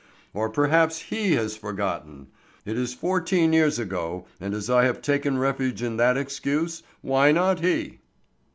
Or perhaps he has forgotten; it is fourteen years ago, and as I have taken refuge in that excuse, why not he?"